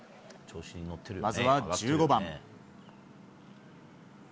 まずは１５番。